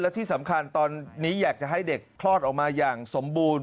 และที่สำคัญตอนนี้อยากจะให้เด็กคลอดออกมาอย่างสมบูรณ์